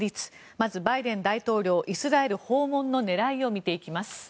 まずバイデン大統領イスラエル訪問の狙いを見ていきます。